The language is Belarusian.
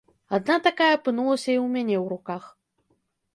Адна такая апынулася і ў мяне ў руках.